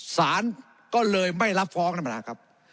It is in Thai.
สารก็เลยไม่รับฟ้องนะครับ